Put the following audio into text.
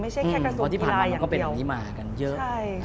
ไม่ใช่แค่กระทรวงเพราะที่ผ่านมามันก็เป็นอย่างนี้มากันเยอะ